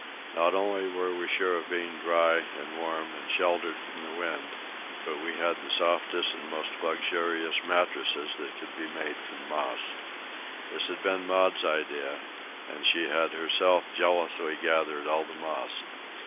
Not only were we sure of being dry and warm and sheltered from the wind, but we had the softest and most luxurious mattresses that could be made from moss. This had been Maud's idea, and she had herself jealously gathered all the moss.